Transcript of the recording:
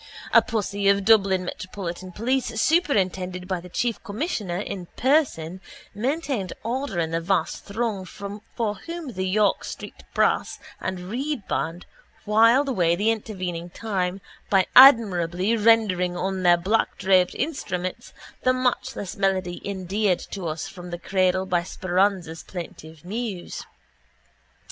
A posse of Dublin Metropolitan police superintended by the Chief Commissioner in person maintained order in the vast throng for whom the York street brass and reed band whiled away the intervening time by admirably rendering on their blackdraped instruments the matchless melody endeared to us from the cradle by Speranza's plaintive muse.